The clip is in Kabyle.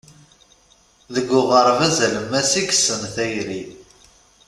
Deg uɣerbaz alemmas i yessen tayri.